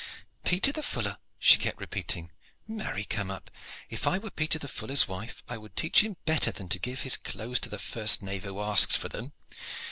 "Peter the fuller!" she kept repeating. "Marry come up! if I were Peter the fuller's wife I would teach him better than to give his clothes to the first knave who asks for them.